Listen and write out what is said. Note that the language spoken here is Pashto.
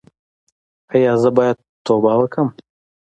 ایا زه باید توبه وکړم؟